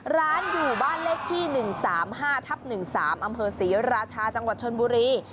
ร้านอยู่บ้านเลขที่๑๓๕ทับ๑๓อำเภอศรีราชาจังหวัดชนบุรี